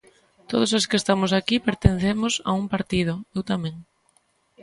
Todos os que estamos aquí pertencemos a un partido, eu tamén.